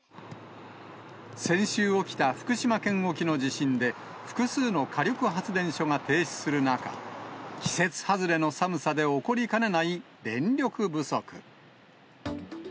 先週起きた福島県沖の地震で、複数の火力発電所が停止する中、季節外れの寒さで起こりかねない電力不足。